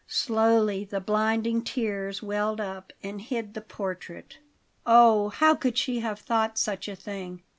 Slowly the blinding tears welled up and hid the portrait. Oh, how could she have thought such a thing!